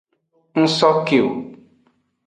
N so ke wo.